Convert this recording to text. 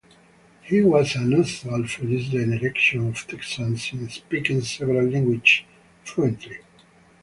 He was unusual for his generation of Texans in speaking several languages fluently.